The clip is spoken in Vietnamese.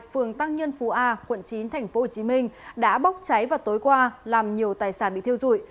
phường tăng nhân phú a quận chín tp hcm đã bốc cháy vào tối qua làm nhiều tài sản bị thiêu dụi